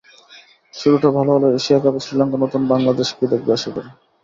শুরুটা ভালো হলে এশিয়া কাপে শ্রীলঙ্কা নতুন বাংলাদেশকেই দেখবে আশা করি।